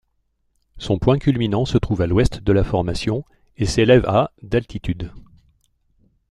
Son point culminant se trouve à l'ouest de la formation et s'élève à d'altitude.